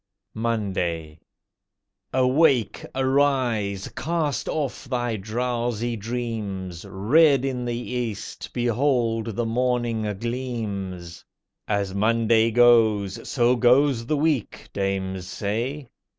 MONDAY Awake! arise! Cast off thy drowsy dreams! Red in the East, behold the Morning gleams. "As Monday goes, so goes the week," dames say.